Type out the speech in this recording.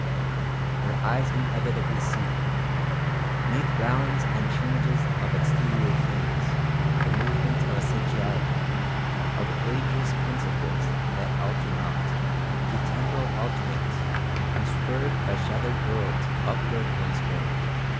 Her eyes inevitably see, 'Neath rounds and changes of exterior things, The movements of Essentiality Of ageless principles that alter not To temporal alterings Unswerved by shattered worlds upbuilt once more.